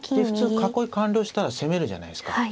普通囲い完了したら攻めるじゃないですか。